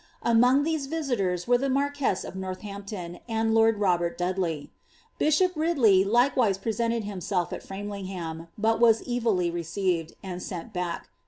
Among these visitors were the mari{uess of Northampton ^lA lord Robert Dudley. Bishop Ridley likewise presented himself at Fram lingiiam, but was evilly received, and sent back.